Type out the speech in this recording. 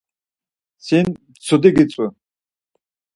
Sin mtsudi gitzu.